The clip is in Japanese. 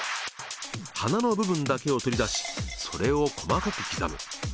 花の部分だけを取り出しそれを細かく刻む。